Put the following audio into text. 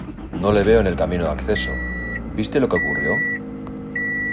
No le veo en el camino de acceso. ¿ viste lo qué ocurrió?